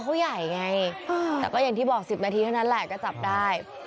เขาใหญ่ไงแต่ก็อย่างที่บอก๑๐นาทีเท่านั้นแหละก็จับได้